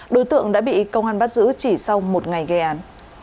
đối tượng đã bị công an bắt giữ chỉ sau một ngày gây án